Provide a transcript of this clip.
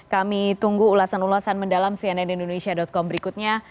kami tunggu ulasan ulasan mendalam cnnindonesia com berikutnya